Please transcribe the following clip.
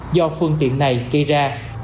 do phương tiện này kỳ ra